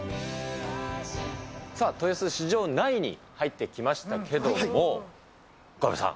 さあ、豊洲市場内に入ってきましたけれども、岡部さん。